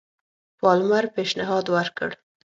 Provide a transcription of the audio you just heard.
پالمر پېشنهاد وکړ.